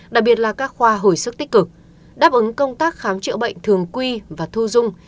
đặc biệt là các khoa hồi sức tích cực đáp ứng công tác khám chữa bệnh thường quy và thu dung